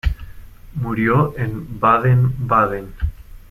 Murió en Baden-Baden.